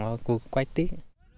và cụ quay tít